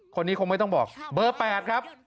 คนนี้คงไม่ต้องบอกเบอร์๘ครับ